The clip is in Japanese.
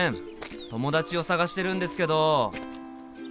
友達を捜してるんですけど。